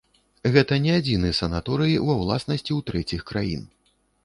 Гэта не адзіны санаторый ва ўласнасці ў трэціх краін.